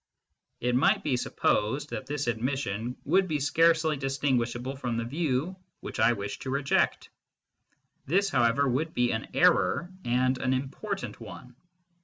It might be supposed that this admission would be scarcely distinguishable from the view which I wish to reject. This, however, would be an error, and an important one.